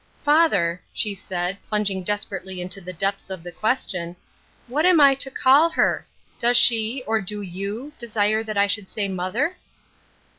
" Father," she said, plunging desperately into the depths of the question. " What am I to call her? Does she — or, do you — desire that I should say mother